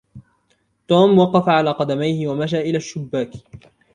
توم وَقَفَ على قَدَمَيهِ و مَشى إلى الشُبَّاكِ